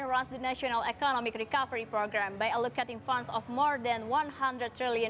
termasuk perubahan ekonomi kita dan bagaimana kita menjawabnya